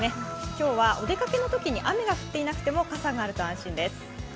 今日はお出かけのときに雨が降っていなくても傘があると安心です。